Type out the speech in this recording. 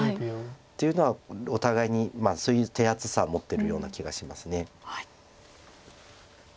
っていうのはお互いにそういう手厚さ持ってるような気がします。